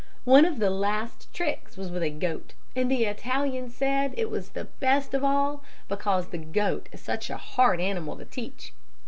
One of the last tricks was with a goat, and the Italian said it was the best of all, because the goat is such a hard animal to teach.